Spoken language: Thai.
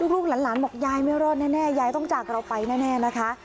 ลูกหลานบอกยายไม่รอดแน่ยายต้องจากเราไปแน่นะคะ